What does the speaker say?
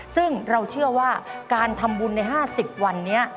ซึ่งเราเชื่อว่าการทำบุญใน๕๐วันนี้